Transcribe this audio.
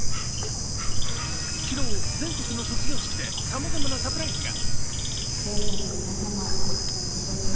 昨日、全国の卒業式でさまざまなサプライズが。